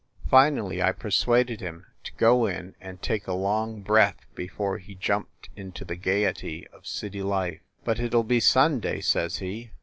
Finally I persuaded him to go in and take a long breath be fore he jumped into the gayety of city life. "But it ll be Sunday," says he.